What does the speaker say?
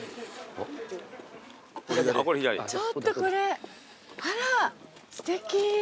ちょっとこれあらすてき。